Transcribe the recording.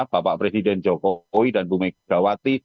bapak presiden jokowi dan bu megawati